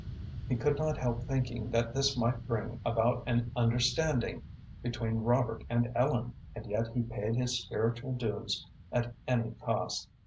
He could not help thinking that this might bring about an understanding between Robert and Ellen, and yet he paid his spiritual dues at any cost.